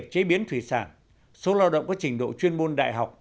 doanh nghiệp chế biến thủy sản số lao động có trình độ chuyên môn đại học